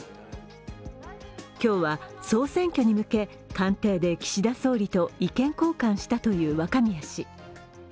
今日は総選挙に向け、官邸で岸田総理と意見交換したという若宮氏。